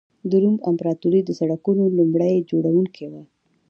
د روم امپراتوري د سړکونو لومړي جوړوونکې وه.